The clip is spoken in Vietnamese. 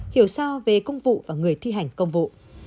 hiểu sao về công vụ và người thi hành công vụ